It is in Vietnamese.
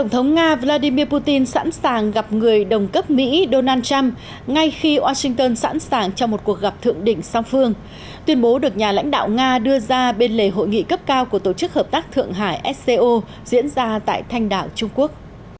tổng thống nga vladimir putin sẵn sàng gặp người đồng cấp mỹ donald trump ngay khi washington sẵn sàng cho một cuộc gặp thượng đỉnh song phương tuyên bố được nhà lãnh đạo nga đưa ra bên lề hội nghị cấp cao của tổ chức hợp tác thượng hải sco diễn ra tại thanh đảo trung quốc